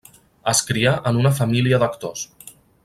Es crià en una família d'actors.